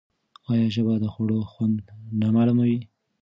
آیا ژبه د خوړو خوند نه معلوموي؟